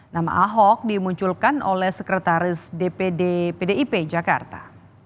nama ahok dimunculkan oleh sekretaris dpd pdip jakarta